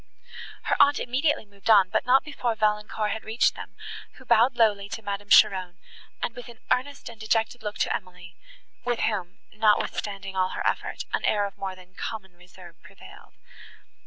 Her aunt immediately moved on, but not before Valancourt had reached them, who bowed lowly to Madame Cheron, and with an earnest and dejected look to Emily, with whom, notwithstanding all her effort, an air of more than common reserve prevailed.